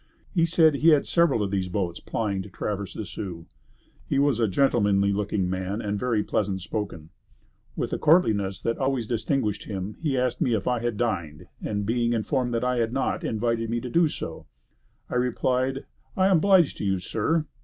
He said he had several of these boats plying to Traverse des Sioux. He was a gentlemanly looking man and very pleasant spoken. With the courtliness that always distinguished him, he asked me if I had dined and being informed that I had not, invited me to do so; I replied, "I am obliged to you sir."